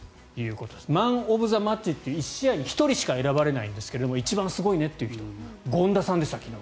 マン・オブ・ザ・マッチという１試合に１人しか選ばれないんですが一番すごいねという人権田さんでした、昨日。